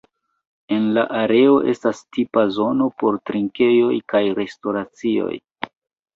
En la areo estas tipa zono por trinkejoj kaj restoracioj.